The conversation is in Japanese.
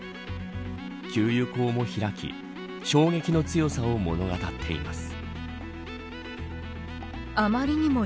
給油口も開き衝撃の強さを物語っています。